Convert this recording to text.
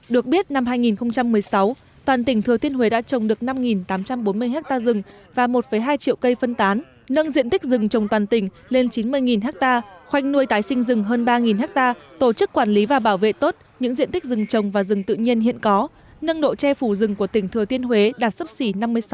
được biết năm hai nghìn một mươi sáu toàn tỉnh thừa thiên huế đã trồng được năm tám trăm bốn mươi ha rừng và một hai triệu cây phân tán nâng diện tích rừng trồng toàn tỉnh lên chín mươi ha khoanh nuôi tái sinh rừng hơn ba ha tổ chức quản lý và bảo vệ tốt những diện tích rừng trồng và rừng tự nhiên hiện có nâng độ che phủ rừng của tỉnh thừa thiên huế đạt sấp xỉ năm mươi sáu